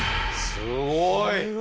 すごい。